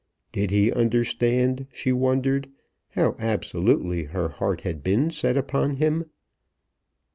Did he understand, she wondered, how absolutely her heart had been set upon him?